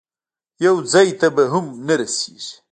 یو ځای ته به هم نه رسېږي.